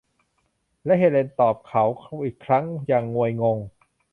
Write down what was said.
และเฮเลนตอบเขาอีกครั้งอย่างงวยงง